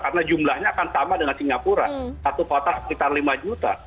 karena jumlahnya akan sama dengan singapura satu kota sekitar lima juta